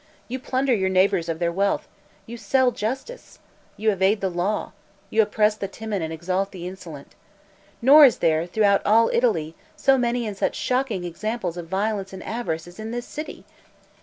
You plunder your neighbors of their wealth; you sell justice; you evade the law; you oppress the timid and exalt the insolent. Nor is there, throughout all Italy, so many and such shocking examples of violence and avarice as in this city.